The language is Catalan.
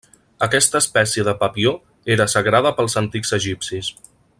Aquesta espècie de papió era sagrada pels antics egipcis.